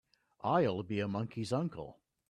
I'll be a monkey's uncle!